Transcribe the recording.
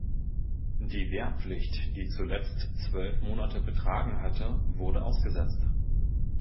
Die Wehrpflicht, die zuletzt zwölf Monate betragen hatte, wurde ausgesetzt.